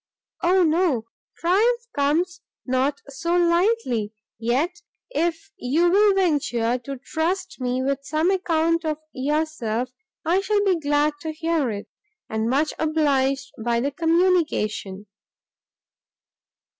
"O no! triumph comes not so lightly! yet if you will venture to trust me with some account of yourself, I shall be glad to hear it, and much obliged by the communication."